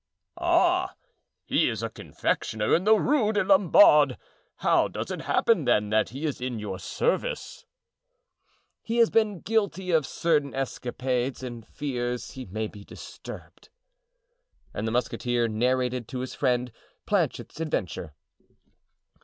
"Ah, he is a confectioner in the Rue des Lombards! How does it happen, then, that he is in your service?" "He has been guilty of certain escapades and fears he may be disturbed." And the musketeer narrated to his friend Planchet's adventure.